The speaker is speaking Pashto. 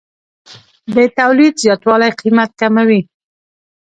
د تولید زیاتوالی قیمت کموي.